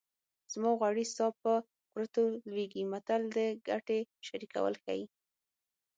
زما غوړي ستا په کورتو لوېږي متل د ګټې شریکول ښيي